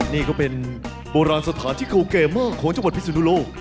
นี่ก็เป็นบุราณสถานที่เขาเก่ามากของจังหวัดพิศนุรกษ์